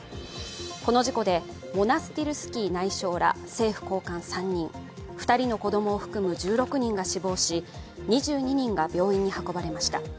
この事故でモナスティルスキー内相ら政府高官３人、２人の子供を含む１６人が死亡し、２２人が病院に運ばれました。